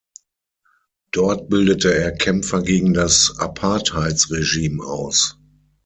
Dort bildete er Kämpfer gegen das Apartheidregime aus.